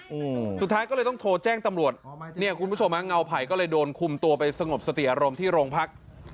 อืมสุดท้ายก็เลยต้องโทรแจ้งตำรวจเนี่ยคุณผู้ชมฮะเงาไผ่ก็เลยโดนคุมตัวไปสงบสติอารมณ์ที่โรงพัก